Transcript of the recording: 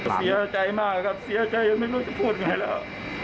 เสียใจมากครับเสียใจไม่รู้จะพูดไงแล้ว